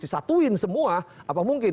disatuin semua apa mungkin